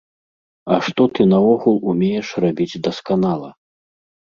А што ты наогул умееш рабіць дасканала?